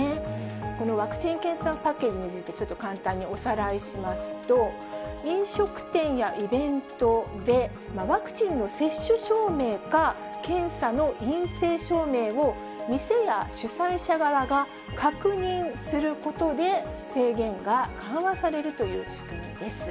このワクチン・検査パッケージについて、ちょっと簡単におさらいしますと、飲食店やイベントでワクチンの接種証明か、検査の陰性証明を店や主催者側が確認することで、制限が緩和されるという仕組みです。